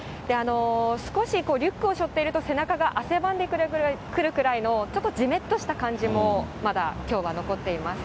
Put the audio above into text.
少しリュックをしょっていると、少し背中が汗ばんでくるぐらいのちょっとじめっとした感じも、まだきょうは残っています。